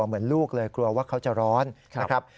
เหมือนลูกเลยกลัวว่าเขาจะร้อนนะครับ